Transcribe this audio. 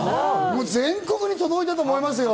全国に届いたと思いますよ。